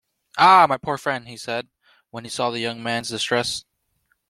"Ah, my poor friend!" he said, when he saw the young man's distress.